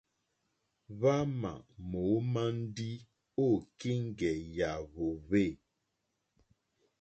Hwámà mǒmá ndí ô kíŋgɛ̀ yà hwòhwê.